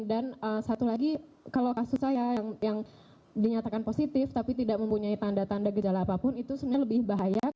dan satu lagi kalau kasus saya yang dinyatakan positif tapi tidak mempunyai tanda tanda gejala apapun itu sebenarnya lebih bahaya